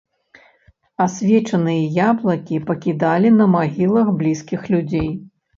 Асвечаныя яблыкі пакідалі на магілах блізкіх людзей.